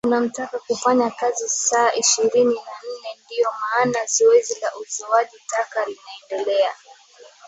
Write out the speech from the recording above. unamtaka kufanya kazi saa ishirini na nne ndio maana zoezi la uzoaji taka linaendelea